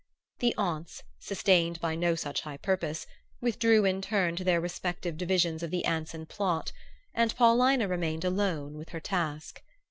The aunts, sustained by no such high purpose, withdrew in turn to their respective divisions of the Anson "plot," and Paulina remained alone with her task.